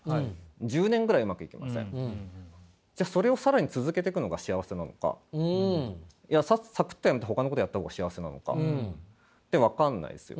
じゃあそれを更に続けてくのが幸せなのかいやサクッと辞めてほかのことやった方が幸せなのか。って分かんないですよね。